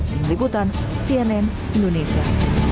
tim liputan cnn indonesia